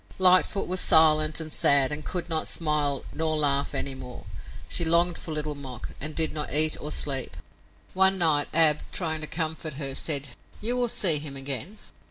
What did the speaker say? Lightfoot was silent and sad, and could not smile nor laugh any more. She longed for Little Mok, and did not eat or sleep. One night Ab, trying to comfort her, said, "You will see him again."